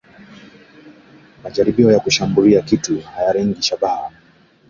Majaribio ya kushambulia kitu hayalengi shabaha